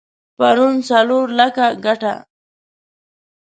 پرون څلور لکه ګټه؛